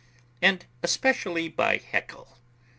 and especially by Haeckel.